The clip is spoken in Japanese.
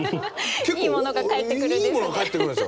結構いいものが返ってくるんですよ。